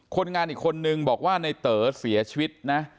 คนงานอีกคนนึงบอกว่าในเต๋อเสียชีวิตนะ